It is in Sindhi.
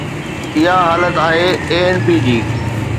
اها حالت آهي ANP جي.